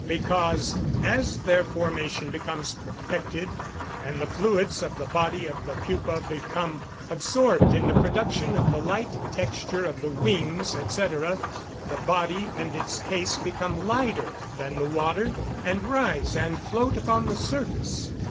_ Because, as their formation becomes perfected, and the fluids of the body of the pupa become absorbed in the production of the light texture of the wings, &c., the body and its case become lighter than the water, and rise and float upon the surface.